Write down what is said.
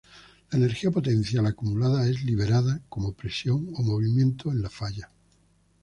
La energía potencial acumulada es liberada como presión o movimiento en la falla.